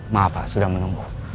maaf pak sudah menunggu